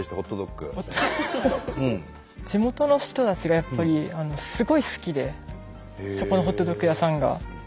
地元の人たちがやっぱりすごい好きでそこのホットドッグ屋さんが。